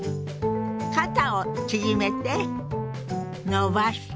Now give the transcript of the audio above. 肩を縮めて伸ばして。